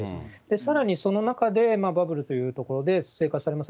さらにその中でバブルというところで、生活されました。